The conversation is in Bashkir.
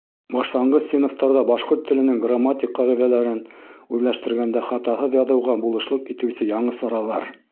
Башланғыс синыфтарҙа башҡорт теленең грамматик ҡағиҙәләрен үҙләштергәндә хатаһыҙ яҙыуға булышлыҡ итеүсе яңы саралар